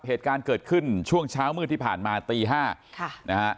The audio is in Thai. เหตุการณ์เกิดขึ้นช่วงเช้ามืดที่ผ่านมาตี๕ค่ะนะฮะ